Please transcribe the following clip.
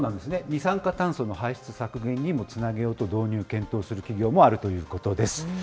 二酸化炭素の排出削減にもつなげようと導入を検討する企業もあるということです。